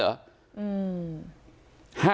อืม